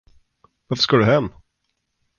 Varför ska du hem?